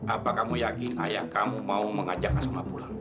apa kamu yakin ayah kamu mau mengajak asma pulang